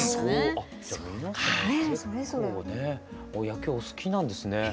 野球お好きなんですね。